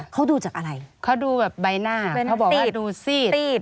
เขาดูจากอะไรเขาดูแบบใบหน้าเขาบอกตีดดูซีด